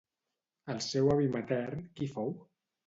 El seu avi matern, qui fou?